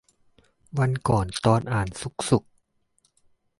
วันก่อนตอนอ่านซุกสุข